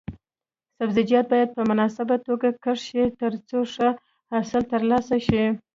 سبزیجات باید په مناسبه توګه کښت شي ترڅو ښه حاصل ترلاسه شي.